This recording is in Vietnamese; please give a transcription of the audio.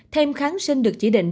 thêm kháng sinh được chỉ định